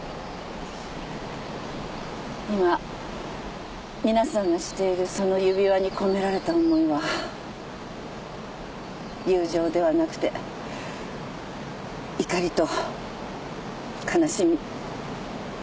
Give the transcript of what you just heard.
今皆さんのしているその指輪に込められた思いは友情ではなくて怒りと悲しみ。